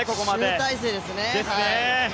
集大成ですね。